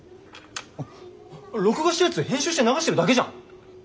あっ録画したやつ編集して流してるだけじゃん。